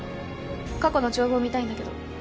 過去の帳簿見たいんだけど。